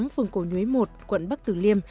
phường cổ nhuế một quận bắc tử liêm